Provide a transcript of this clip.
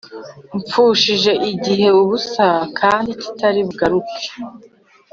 Mfushije igihe ubusa kandi kitari bugaruke